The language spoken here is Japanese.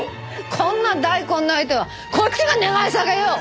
こんな大根の相手はこっちが願い下げよ！